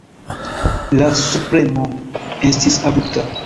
La subpremo estis abrupta.